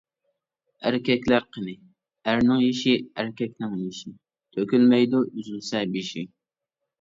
ئەركەكلەر قېنى؟ ئەرنىڭ يېشى ئەركەكنىڭ يېشى، تۆكۈلمەيدۇ ئۈزۈلسە بېشى.